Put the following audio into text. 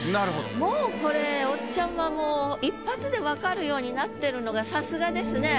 もうこれおっちゃんはもう一発で分かるようになってるのがさすがですね。